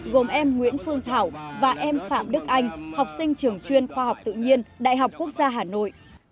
gồm em nguyễn phương thảo và em phạm đức anh học sinh trường chuyên khoa học tự nhiên đại học quốc gia hà nội